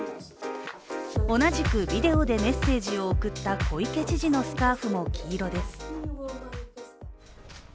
同じくビデオでメッセージを送った小池知事のスカーフも黄色です。